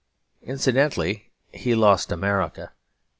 Incidentally, he lost America.